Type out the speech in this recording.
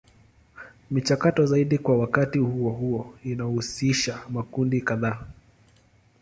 Michakato zaidi kwa wakati huo huo inahusisha makundi kadhaa.